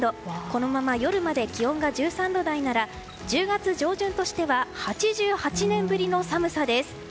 このまま夜まで気温が１３度台なら１０月上旬としては８８年ぶりの寒さです。